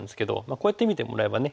こうやって見てもらえばね